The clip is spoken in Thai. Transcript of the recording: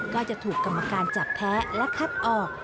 ก็จะถูกกรรมการจับแพ้และคัดออก